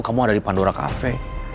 kamu ada di pandora kafe